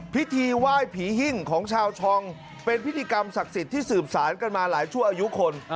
พิธีไหว้ผีหิ้งของชาวชองเป็นพิธีกรรมศักดิ์สิทธิ์ที่สืบสารกันมาหลายชั่วอายุคน